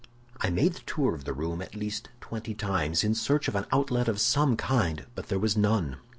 "I made the tour of the room at least twenty times, in search of an outlet of some kind; but there was none.